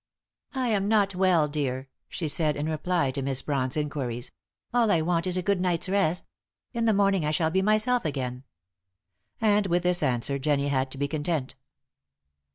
"I am not well dear," she said, in reply to Miss Brawn's inquiries. "All I want is a good night's rest. In the morning I shall be myself again." And with this answer Jennie had to be content.